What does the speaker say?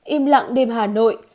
im lặng đêm hà nội